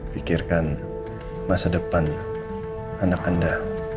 pikirkan masa depan anak anda